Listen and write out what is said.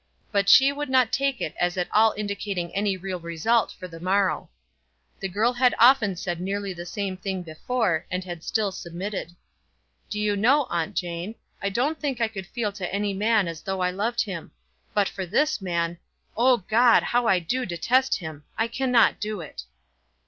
But she would not take it as at all indicating any real result for the morrow. The girl had often said nearly the same thing before, and had still submitted. "Do you know, Aunt Jane, I don't think I could feel to any man as though I loved him. But for this man, Oh God, how I do detest him! I cannot do it."